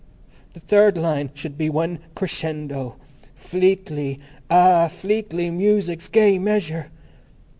"The third line should be one crescendo. _Fleetly! Ah, Fleetly Music's Gay Measure.